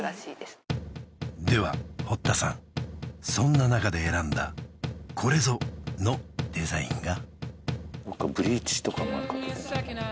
確かにでは堀田さんそんな中で選んだこれぞ！のデザインが？